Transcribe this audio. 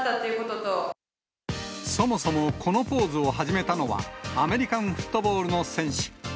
そもそもこのポーズを始めたのはアメリカンフットボールの選手。